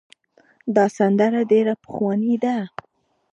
دا سندره ډېره پخوانۍ ده.